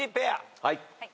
はい。